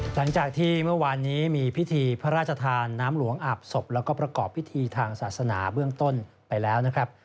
หลังจากที่เมื่อวานนี้มีพิธีพระราชทานน้ำหลวงอาบศพแล้วก็ประกอบพิธีทางศาสนาเบื้องต้นไปแล้วนะครับ